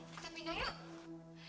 mas kita minta yuk